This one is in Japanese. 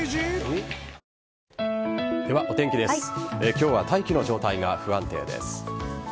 今日は大気の状態が不安定です。